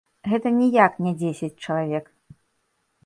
Гэта ніяк не дзесяць чалавек.